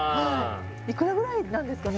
いくらぐらいなんですかね